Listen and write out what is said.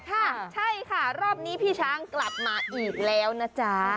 ค่ะใช่ค่ะรอบนี้พี่ช้างกลับมาอีกแล้วนะจ๊ะ